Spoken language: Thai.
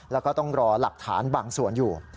แล้วก็ต้องรอหลักฐานบางส่วนอยู่